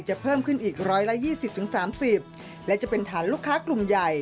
เพิ่มขึ้นอีก๑๒๐๓๐และจะเป็นฐานลูกค้ากลุ่มใหญ่